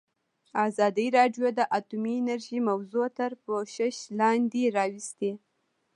ازادي راډیو د اټومي انرژي موضوع تر پوښښ لاندې راوستې.